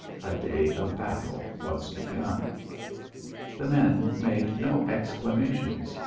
A day of battle was begun. The men made no exclamations.